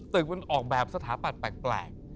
ตึกมันออกแบบสถาปัตย์แปลก